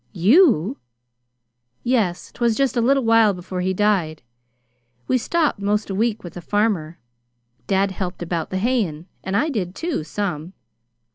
"YOU!" "Yes. 'Twas just a little while before he died. We stopped 'most a week with a farmer. Dad helped about the hayin' and I did, too, some.